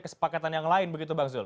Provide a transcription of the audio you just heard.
kesepakatan yang lain begitu bang zul